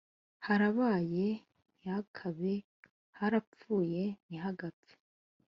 harabaye ntihakabe, harapfuye ntihagapfe,